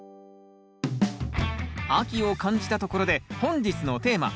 秋を感じたところで本日のテーマ。